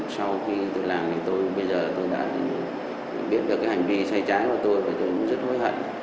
sau khi tôi làm thì tôi bây giờ tôi đã biết được cái hành vi sai trái của tôi và tôi rất hối hận